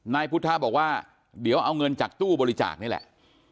นายพุทธะบอกว่าเดี๋ยวเอาเงินจากตู้บริจาคนี่แหละ